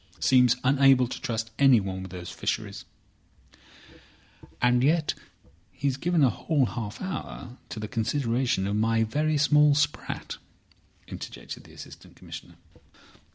Seems unable to trust anyone with these Fisheries." "And yet he's given a whole half hour to the consideration of my very small sprat," interjected the Assistant Commissioner.